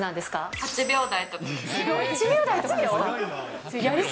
８秒台とかです。